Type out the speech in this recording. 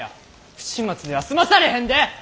不始末では済まされへんで！